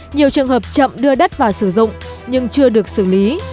nhiều trường hợp chậm đưa đất vào sử dụng nhưng chưa được xử lý